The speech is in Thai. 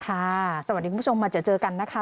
สวัสดีคุณผู้ชมมาเจอกันนะคะ